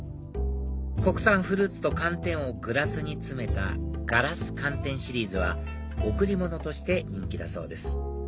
国産フルーツと寒天をグラスに詰めた硝子寒天シリーズは贈り物として人気だそうです